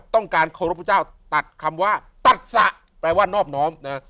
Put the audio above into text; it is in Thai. ต้องการเคารพพระเจ้าตัดคำว่าตัดสะแปลว่านอบน้อมนะ